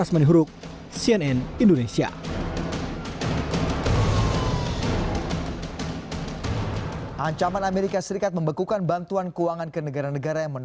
keputusan trump yang juga akan memiliki hubungan dengan israel